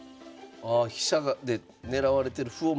ああ飛車で狙われてる歩を守ってるんですね。